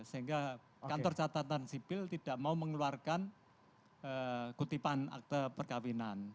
sehingga kantor catatan sipil tidak mau mengeluarkan kutipan akte perkawinan